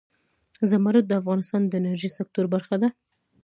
زمرد د افغانستان د انرژۍ سکتور برخه ده.